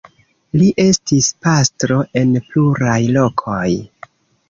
Li estis pastro en pluraj lokoj.